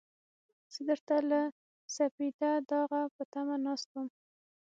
زه درته له سپېده داغه په تمه ناست وم.